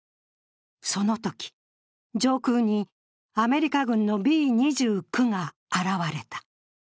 そのとき、上空にアメリカ軍のＢ２９が現れた。